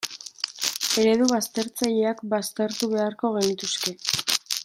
Eredu baztertzaileak baztertu beharko genituzke.